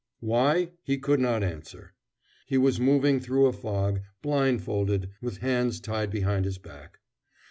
Why? He could not answer. He was moving through a fog, blind folded, with hands tied behind his back.